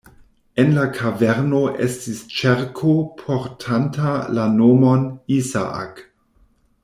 En la kaverno estis ĉerko portanta la nomon "Isaak".